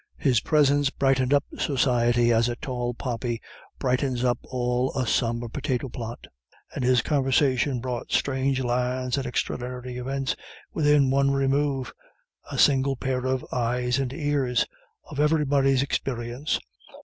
His presence brightened up society as a tall poppy brightens up all a sombre potato plot, and his conversation brought strange lands and extraordinary events within one remove a single pair of eyes and ears of everybody's experience.